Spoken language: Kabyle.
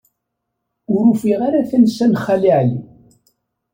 Ur ufiɣ ara tansa n Xali Ɛli.